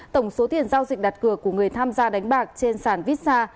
tổng số tiền giao dịch đặt cửa của người tham gia đánh bạc trên sàn visa